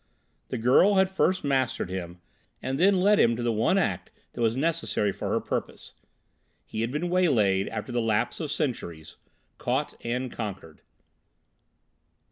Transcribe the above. The girl had first mastered him, and then led him to the one act that was necessary for her purpose. He had been waylaid, after the lapse of centuries—caught, and conquered.